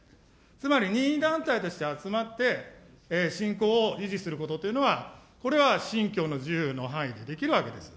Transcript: つまり任意団体として集まって、信仰を維持することということは、これは信教の自由の範囲でできるわけです。